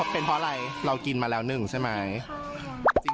เป็นเพราะอะไรเรากินมาแล้วหนึ่งใช่ไหม